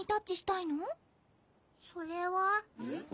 それは。ん？